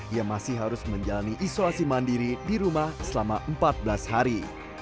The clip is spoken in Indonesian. ia masih harus menjalani isolasi mandiri di rumah selama empat belas hari